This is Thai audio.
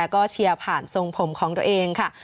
ก็เชียร์ผ่านทรงผมของตัวเองค่ะ